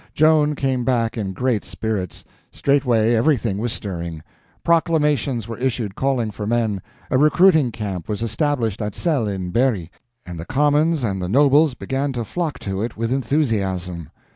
Joan came back in great spirits. Straightway everything was stirring. Proclamations were issued calling for men, a recruiting camp was established at Selles in Berry, and the commons and the nobles began to flock to it with enthusiasm.